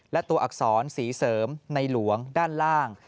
และตัวอักษรศรีเสริมในหลวงด้านล่าง